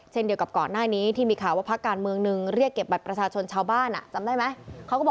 เดียวกับก่อนหน้านี้ที่มีข่าวว่าพักการเมืองหนึ่งเรียกเก็บบัตรประชาชนชาวบ้านจำได้ไหม